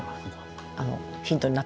ヒントになった？